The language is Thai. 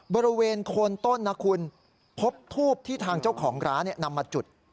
บริเวณโคนต้นนะคุณพบทูบที่ทางเจ้าของร้านนำมาจุด